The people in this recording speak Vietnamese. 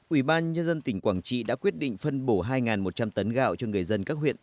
ubnd tỉnh quảng trị đã quyết định phân bổ hai một trăm linh tấn gạo cho người dân các huyện